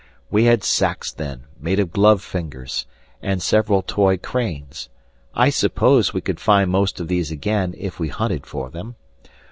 We had sacks then, made of glove fingers, and several toy cranes. I suppose we could find most of these again if we hunted for them.